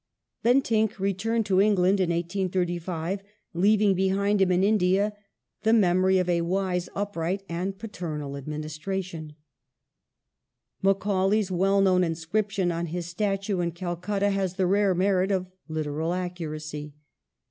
^ Bentinck returned to England in 1835, leaving be hind him in India the memory of a " wise, upright, and paternal administration ". Macaulay's well known inscription on his statue in Calcutta has the rare merit of literal accuracy.